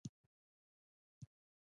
په مبارک ماموریت کې برخه واخلي.